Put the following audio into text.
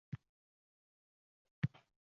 Turmush o`rtog`im juda ham jizzaki bo`lib qoldi